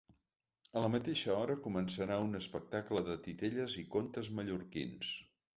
A la mateixa hora començarà un espectacle de titelles i contes mallorquins.